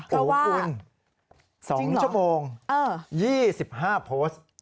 เพราะว่าจริงเหรออู๋คุณ๒ชั่วโมง๒๕โพสต์